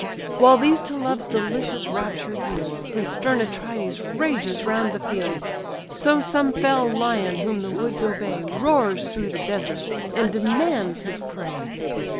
While these to love's delicious rapture yield, The stern Atrides rages round the field: So some fell lion whom the woods obey, Roars through the desert, and demands his prey.